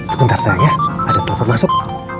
sebentar sayang ya ada telepon masuk